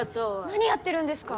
何やってるんですか！